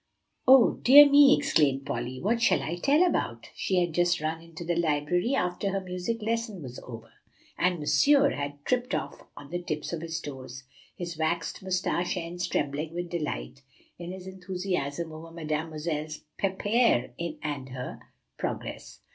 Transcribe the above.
"Oh, dear me!" exclaimed Polly, "what shall I tell about?" She had just run into the library after her music lesson was over, and Monsieur had tripped off on the tips of his toes, his waxed mustache ends trembling with delight in his enthusiasm over Mademoiselle Peppaire and her progress.